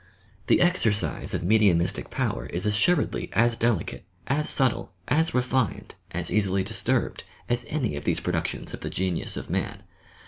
The exercise of roediumistie power is assuredly as delicate, as subtle, as refined, as easily disturbed as any of these produc tions of the genius of man.